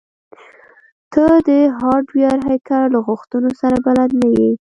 ته د هارډویر هیکر له غوښتنو سره بلد نه یې